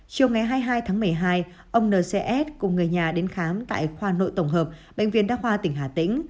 chiều ngày hai mươi hai tháng một mươi hai ông ncs cùng người nhà đến khám tại khoa nội tổng hợp bệnh viện đa khoa tỉnh hà tĩnh